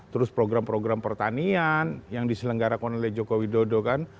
terus program program pertanian yang diselenggarakan oleh joko widodo kan